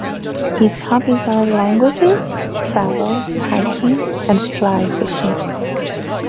His hobbies are languages, travel, hiking and fly fishing.